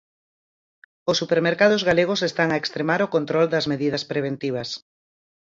Os supermercados galegos están a extremar o control das medidas preventivas.